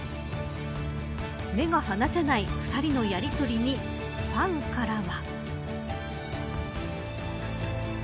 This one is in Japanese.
目が離せない２人のやりとりにファンからは。